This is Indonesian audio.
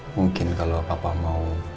mungkin kalau papa mau